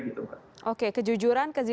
itu pak oke kejujuran